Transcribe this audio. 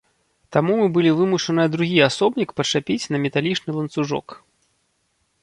Таму мы былі вымушаныя другі асобнік пачапіць на металічны ланцужок.